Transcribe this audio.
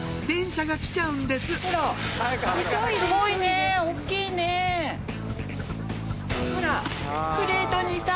電車が来ちゃうんですほら。